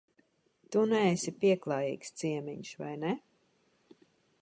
Tu neesi pieklājīgs ciemiņš, vai ne?